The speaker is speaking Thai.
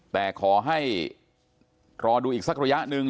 แต่ขอให้รอดูอีกสักระยะหนึ่ง